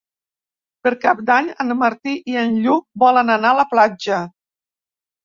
Per Cap d'Any en Martí i en Lluc volen anar a la platja.